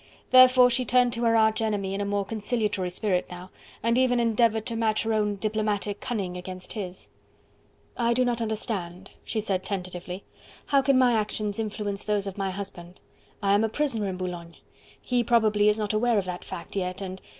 Therefore she turned to her arch enemy in a more conciliatory spirit now, and even endeavoured to match her own diplomatic cunning against his. "I do not understand," she said tentatively. "How can my actions influence those of my husband? I am a prisoner in Boulogne: he probably is not aware of that fact yet and..."